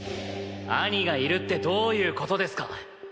兄がいるってどういう事ですか？